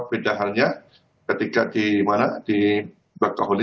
beda halnya ketika di mana di bakahuni